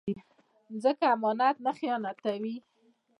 ځمکه امانت نه خیانتوي